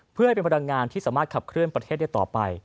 เพื่อให้เป็นพลังงานที่สามารถขับเคลื่อนประเทศได้ต่อไป